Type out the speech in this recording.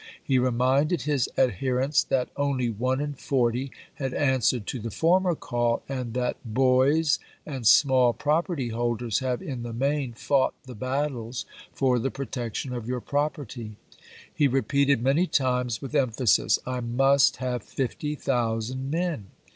He reminded his adherents that only one in forty had answered to the former call, and that "Boys and small property holders have in the main fought the battles for the protection of igei^^wl'R. your property." He repeated many times, with pi° 095, 6%. emphasis :" I must have fifty thousand men."